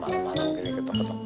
ya atmospheric pusing semua